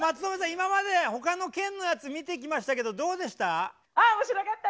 今まで他の県のやつ見てきましたけどどうでした？